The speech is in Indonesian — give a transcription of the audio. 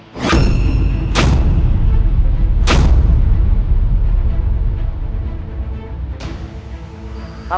aku sudah membayarnya dengan ilmu karang